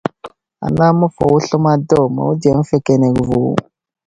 Ana aməfawo sləmay daw mawudiya məfekenege vo.